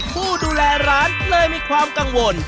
ผู้ดูแลร้านเลยมีความกังวล